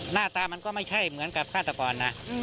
หน้าตามันก็ไม่ใช่เหมือนกับฆาตกรนะ